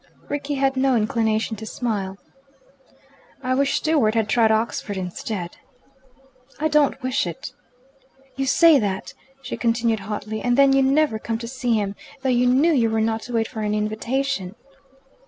Rickie had no inclination to smile. "I wish Stewart had tried Oxford instead." "I don't wish it!" "You say that," she continued hotly, "and then you never come to see him, though you knew you were not to wait for an invitation."